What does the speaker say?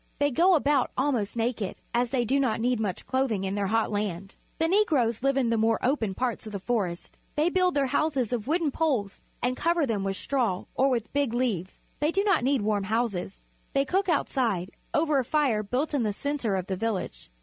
They go about almost naked, as they do not need much clothing in their hot land. The Negroes live in the more open parts of the forests. They build their houses of wooden poles and cover them with straw or with big leaves. They do not need warm houses. They cook outside, over a fire built in the centre of the village.